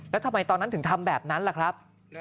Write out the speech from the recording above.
แล้วทำไมตอนนั้นถึงทำแบบนั้นล่ะครับ